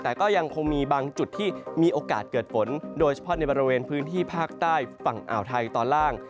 แต่ก็ยังคงมีบางจุดที่มีโอกาสเกิดฝนโดยเฉพาะในบริเวณพื้นที่ภาคใต้ฝั่งอ่าวไทยตอนล่าง